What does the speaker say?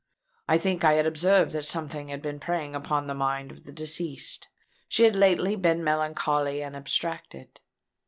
I think I had observed that something had been preying upon the mind of the deceased. She had lately been melancholy and abstracted."